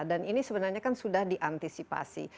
dan ini sebenarnya kan sudah diantisipasi